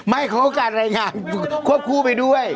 ไม่ครบการรายงานควบคู่ไปด้วย